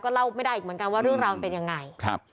เล่าไม่ได้อีกเหมือนกันว่าเรื่องราวมันเป็นยังไงครับ